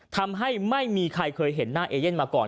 ทำให้ไม่มีใครเคยเห็นหน้าเอเย่นมาก่อน